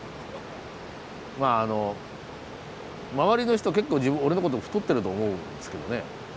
まああの周りの人結構俺のこと太ってると思うんですけどね。